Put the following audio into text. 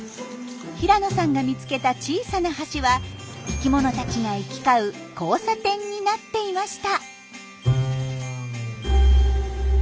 平野さんが見つけた小さな橋は生きものたちが行き交う交差点になっていました。